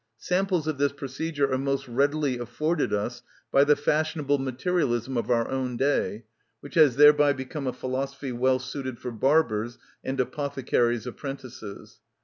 Samples of this procedure are most readily afforded us by the fashionable materialism of our own day, which has thereby become a philosophy well suited for barbers' and apothecaries' apprentices.